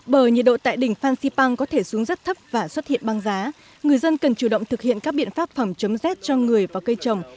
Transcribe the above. bởi nhiệt độ tại đỉnh phan xipang có thể xuống rất thấp và xuất hiện băng giá người dân cần chủ động thực hiện các biện pháp phòng chống rét cho người và cây trồng